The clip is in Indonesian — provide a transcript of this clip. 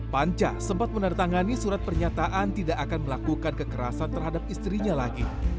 panca sempat menandatangani surat pernyataan tidak akan melakukan kekerasan terhadap istrinya lagi